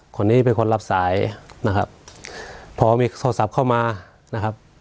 คนนี้เป็นคนรับสายนะครับพอมีโทรศัพท์เข้ามานะครับ